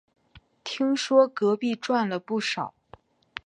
听说隔壁赚了不少